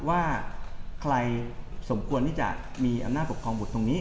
ว่าใครสมควรที่จะมีอำนาจปกครองบุตรตรงนี้